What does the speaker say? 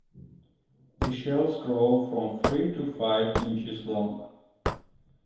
The shells grow from three to five inches long.